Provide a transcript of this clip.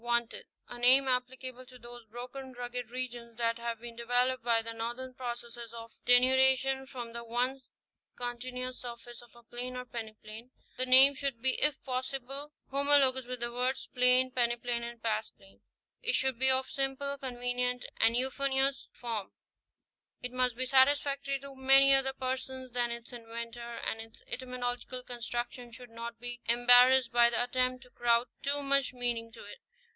WANTED: a name applicable to those broken, rugged regions that have been developed by the normal processes of denudation from the once continuous surface of a plain or peneplain, The name should be if possible homologous with the words, plain, peneplain and past plain; it should be of simple, convenient and euphonious form; it must be satisfactory to many other persons than its inventor ; and its etymological construction should not be embarrassed by the attempt to crowd too much meaning into it.